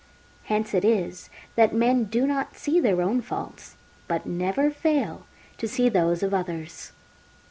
Hence it is that men do not see their own faults, but never fail to see those of others.